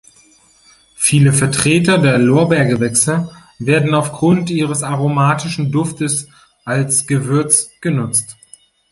Viele Vertreter der Lorbeergewächse werden aufgrund ihres aromatischen Duftes als Gewürz genutzt.